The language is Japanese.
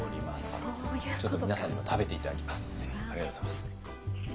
ちょっと皆さんにも食べて頂きます。